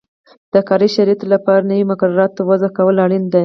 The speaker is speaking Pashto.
د کاري شرایطو لپاره نویو مقرراتو وضعه کول اړین دي.